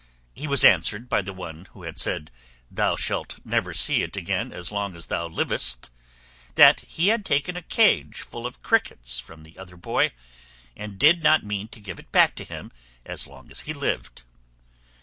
He was answered by the one who had said, "Thou shalt never see it again as long as thou livest," that he had taken a cage full of crickets from the other boy, and did not mean to give it back to him as long as he lived.